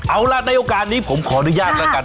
เอาล่ะในโอกาสนี้ผมขออนุญาตแล้วกัน